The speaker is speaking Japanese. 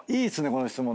この質問。